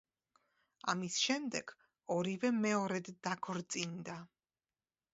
ამის შემდეგ ორივე მეორედ დაქორწინდა.